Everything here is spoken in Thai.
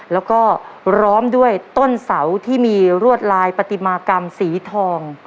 แล้วก็พร้อมด้วยต้นเสาที่มีรวดลายปฏิมากรรมสีทอง